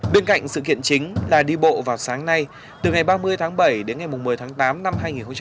bên cạnh sự kiện chính là đi bộ vào sáng nay từ ngày ba mươi tháng bảy đến ngày một mươi tháng tám năm hai nghìn một mươi chín